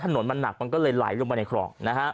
ถนนหนักมันก็เลยไหลลงไปในครอง